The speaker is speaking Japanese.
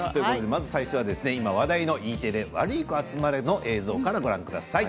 まずはＥテレの「ワルイコあつまれ」の映像からご覧ください。